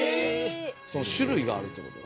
その種類があるってこと？